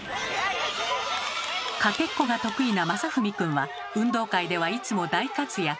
かけっこが得意なまさふみくんは運動会ではいつも大活躍。